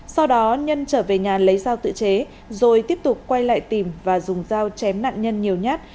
sau đó nhân trở về nhà lấy dao tự chế rồi tiếp tục quay lại tìm và dùng dao chém nạn nhân nhiều nhát